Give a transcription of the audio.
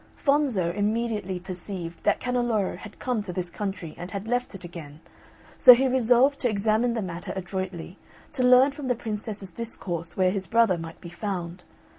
Fonzo immediately perceived that Canneloro had come to this country and had left it again; so he resolved to examine the matter adroitly, to learn from the Princess's discourse where his brother might be found.